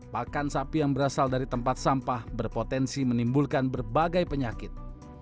pakan sapi yang berasal dari tempat sampah berpotensi menimbulkan berbagai penyakit